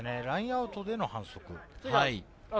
ラインアウトでの反則。